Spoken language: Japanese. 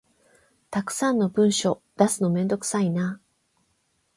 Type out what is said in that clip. たくさんの文書出すのめんどくさいな